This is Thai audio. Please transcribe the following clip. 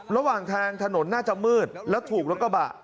ระหว่างทางถนนน่าจะมืดแล้วถูกรถกระบะ